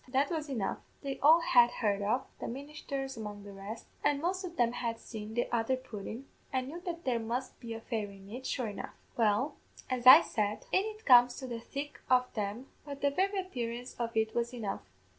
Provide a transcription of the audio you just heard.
That was enough; they all had heard of the ministhers among the rest an' most o' them had seen the other pudden, and knew that there must be a fairy in it, sure enough. Well, as I said, in it comes to the thick o' them; but the very appearance of it was enough.